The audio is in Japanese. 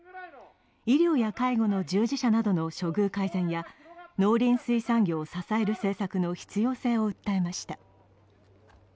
医療や介護の従事者などの処遇改善や農林水産業を支える政策の必要性を訴えました。